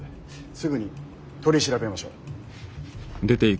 すぐに取り調べましょう。